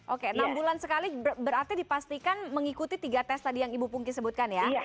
oke enam bulan sekali berarti dipastikan mengikuti tiga tes tadi yang ibu pungki sebutkan ya